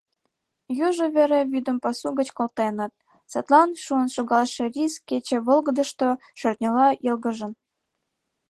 Южо вере вӱдым пасу гыч колтеныт, садлан шуын шогалше рис кече волгыдышто шӧртньыла йылгыжын.